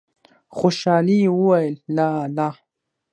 خوشالی يې وويل: لا لا!